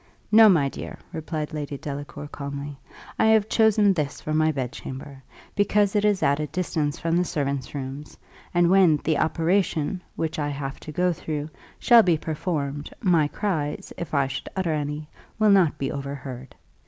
"No, my dear," replied Lady Delacour, calmly. "I have chosen this for my bedchamber, because it is at a distance from the servants' rooms; and when the operation, which I have to go through, shall be performed, my cries, if I should utter any, will not be overheard.